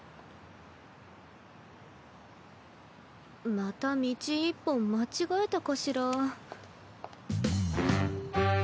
また道１本間違えたかしら。